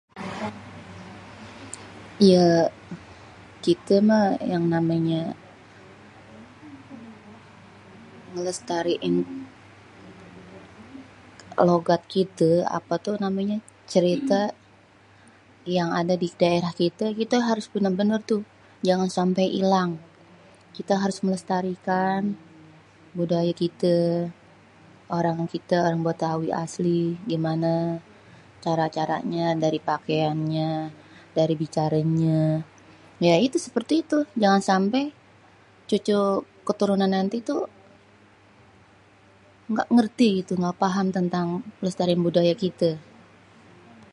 Ye kite mah yang namenye melestariin logat kite, apatu namanye cerite yang ada di daerah kite, kite harus bener-bener tuh jangan sampe ilang. Kite harus melestarikan budaya kite. Orang kite orang betawi asli gimana, cara-caranya dari pakaiannye, dari bicaranye, ya itu seperti itu. Jangan sampe cucu keturunan nanti tu ngga ngerti gitu, ngga paham tentang melestariin budaya kite.